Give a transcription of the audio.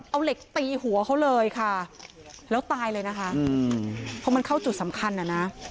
เอาเหล็กตีหัวเขาเลยค่ะแล้วตายเลยนะคะเพราะมันเข้าจุดสำคัญอ่ะนะ